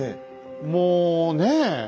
もうねえ？